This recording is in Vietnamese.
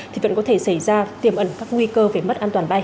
thì vẫn có thể xảy ra tiềm ẩn các nguy cơ về mất an toàn bay